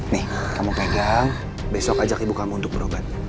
nih kamu pegang besok ajak ibu kamu untuk berobat